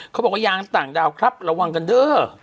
เขาบอกว่ายางต่างดาวครับระวังกันเด้อ